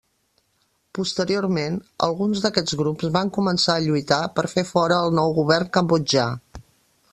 Posteriorment, alguns d'aquests grups van començar a lluitar per fer fora el nou govern cambodjà.